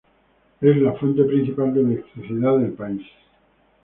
Es la fuente principal de electricidad del país.